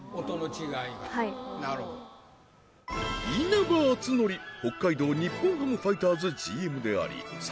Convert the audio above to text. なるほど稲葉篤紀北海道日本ハムファイターズＧＭであり侍